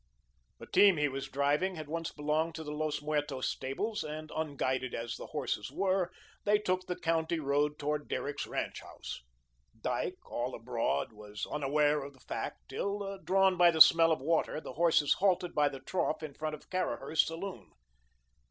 The team he was driving had once belonged to the Los Muertos stables and unguided as the horses were, they took the county road towards Derrick's ranch house. Dyke, all abroad, was unaware of the fact till, drawn by the smell of water, the horses halted by the trough in front of Caraher's saloon.